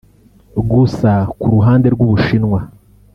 Gusa ku ruhande rw’u Bushinwa